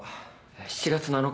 ７月７日？